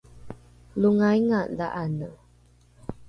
longainga dha’ane